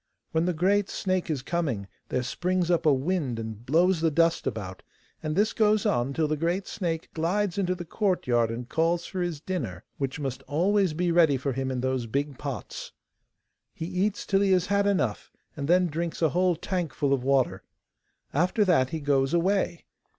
When the great snake is coming there springs up a wind, and blows the dust about, and this goes on till the great snake glides into the courtyard and calls for his dinner, which must always be ready for him in those big pots. He eats till he has had enough, and then drinks a whole tankful of water. After that he goes away.